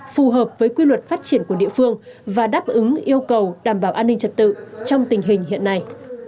phù hợp với quy luật phát triển của địa phương và đáp ứng yêu cầu đảm bảo an ninh trật tự trong tình hình hiện nay